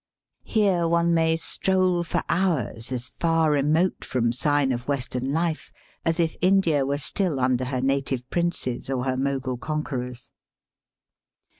Here one may stroll for hours as far remote from sign of Western life as if India were still under her native princes or her Mogul conquerors.